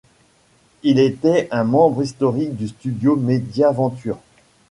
Il était un membre historique du studio Media Ventures.